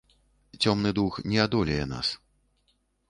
Цёмны дух не адолее нас.